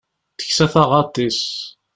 Teksa taɣaṭ-is.